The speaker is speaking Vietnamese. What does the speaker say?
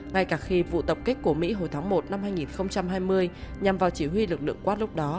ngay cả khi vụ tập kích của mỹ hồi tháng một năm hai nghìn hai mươi nhằm vào chỉ huy lực lượng quát lúc đó